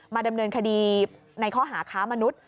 ดำเนินคดีในข้อหาค้ามนุษย